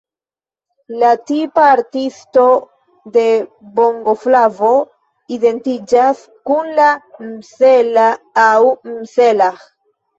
La tipa artisto de bongoflavo identiĝas kun la "msela" aŭ "mselah".